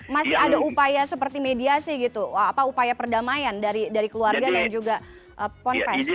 masih ada upaya seperti mediasi gitu apa upaya perdamaian dari keluarga dan juga ponpes